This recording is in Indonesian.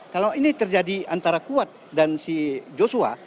kalau ini terjadi antara kuat dan si joshua